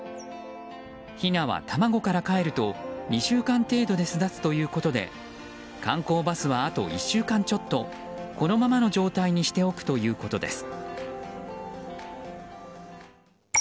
ひなは卵からかえると２週間程度で巣立つということで観光バスはあと１週間ちょっとこのままの状態にしておくということです。